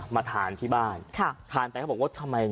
มาทานที่บ้านครับทานเลยแต่เขาบอกว่าทำไม